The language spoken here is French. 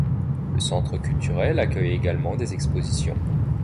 Le centre culturel accueille également des expositions.